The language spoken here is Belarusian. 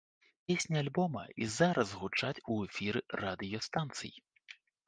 Песні альбома і зараз гучаць у эфіры радыёстанцый.